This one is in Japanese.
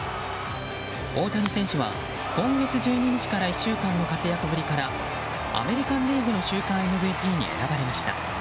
大谷選手は今月１２日から１週間の活躍ぶりからアメリカン・リーグの週間ＭＶＰに選ばれました。